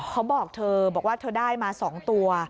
เขาบอกเธอบอกว่าเธอได้มา๒ตัว